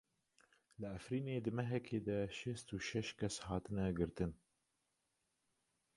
Li Efrînê di mehekê de şêst û şeş kes hatine girtin.